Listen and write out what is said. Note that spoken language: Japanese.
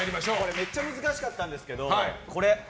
めっちゃ難しかったんですけど。